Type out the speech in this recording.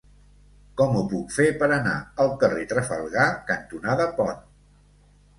Com ho puc fer per anar al carrer Trafalgar cantonada Pont?